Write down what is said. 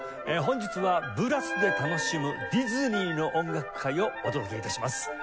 本日は「ブラスで楽しむディズニーの音楽会」をお届け致します。